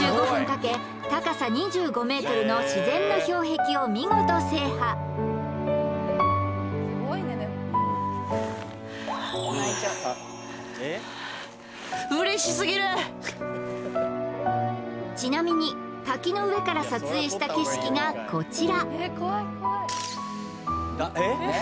３５分かけ高さ２５メートルの自然の氷壁を見事制覇ちなみに滝の上から撮影した景色がこちらえっ！？